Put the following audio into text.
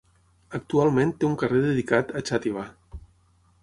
Actualment té un carrer dedicat a Xàtiva.